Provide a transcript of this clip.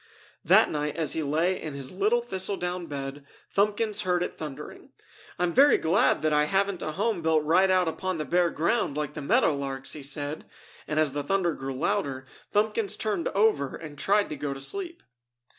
That night as he lay in his little thistle down bed, Thumbkins heard it thundering. "I'm very glad that I haven't a home built right out upon the bare ground like the meadow larks!" he said. And as the thunder grew louder, Thumbkins turned over and tried to go to sleep.